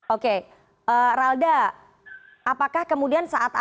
iya hanya pengecekan suhu